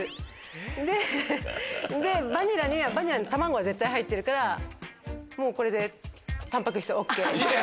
でバニラには卵は絶対入ってるからもうこれでタンパク質ＯＫ。